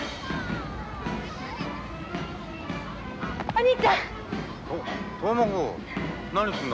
お兄ちゃん！